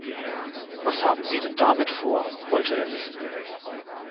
Was haben Sie denn damit vor?, wollte er wissen.